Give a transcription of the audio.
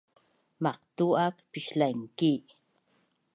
Maqtu’ak pislaingki